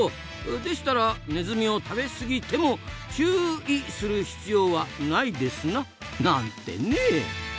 でしたらネズミを食べ過ぎても「チューい」する必要はないですな！なんてね。